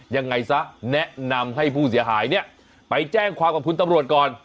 ยังไงซะแนะนำให้ผู้เสียหายเนี่ยไปแจ้งความกับคุณตำรวจก่อน